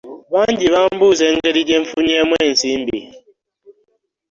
Bangi bambuuza engeri gye nfunyeemu ensimbi.